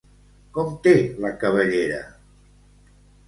Com té la cabellera?